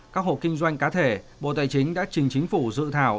các hộ kinh doanh cá thể bộ tài chính đã trình chính phủ dự thảo